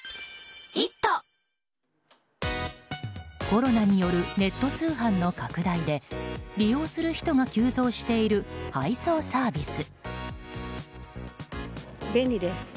コロナによるネット通販の拡大で利用する人が急増している配送サービス。